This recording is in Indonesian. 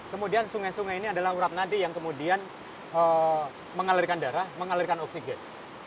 kemudian sungai sungai ini adalah urap nadi yang kemudian mengalirkan darah mengalirkan oksigen